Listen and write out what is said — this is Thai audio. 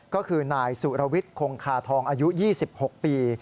ก็คือนายสุรวิทย์คงคาทองอายุ๒๖ปี